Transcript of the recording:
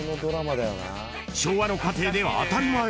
昭和の家庭で当たり前。